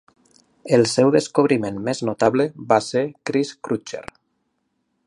El seu descobriment més notable va ser Chris Crutcher.